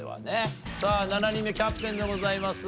さあ７人目キャプテンでございます。